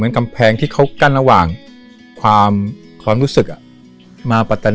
มันกลับมาก่อนที่จะรู้ว่ามันกลับมาก่อนที่จะรู้ว่า